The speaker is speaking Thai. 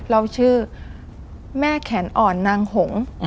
เราชื่อแม่แขนอ่อนนางหง